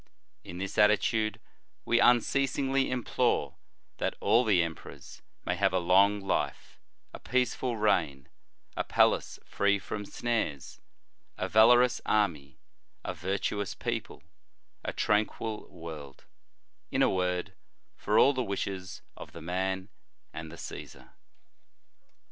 In this attitude we unceasingly implore that all the emperors may Jiave a long life, a peaceful reign, a palace free from snares, a valorous army, a virtuous people, a tranquil world ; in a word, for all the wishes of the man and the Caesar."